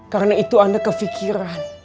karena itu ana kefikiran